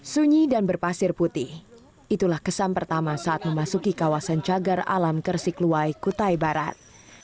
sunyi dan berpasir putih itulah kesan pertama saat memasuki kawasan cagar alam kersikluwai kutai barat